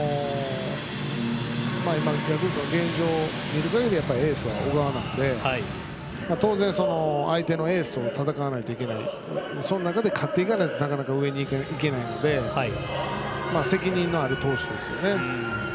今ヤクルトの現状を見るとエースに不安があるので当然、相手のエースと戦わなければいけないその中で勝っていかないとなかなか上にいけないので責任のある投手ですね。